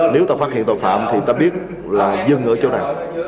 nếu ta phát hiện tội phạm thì ta biết là dừng ở chỗ nào